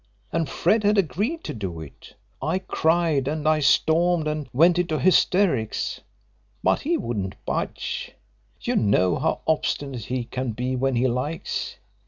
And Fred had agreed to do it. I cried and I stormed and went into hysterics, but he wouldn't budge you know how obstinate he can be when he likes.